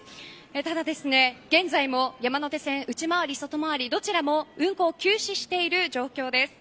ただ、現在も山手線内回り、外回りどちらも運行を休止している状況です。